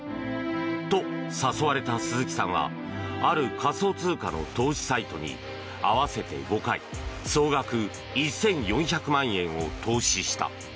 と、誘われた鈴木さんはある仮想通貨の投資サイトに合わせて５回総額１４００万円を投資した。